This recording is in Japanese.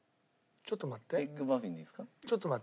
ちょっと待って。